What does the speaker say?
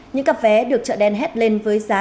những cặp vé được chợ đen hét lên với giá